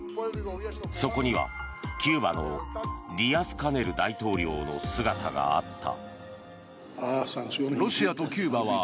そこにはキューバのディアスカネル大統領の姿があった。